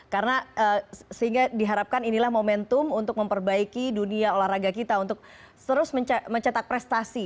karena sehingga diharapkan inilah momentum untuk memperbaiki dunia olahraga kita untuk terus mencetak prestasi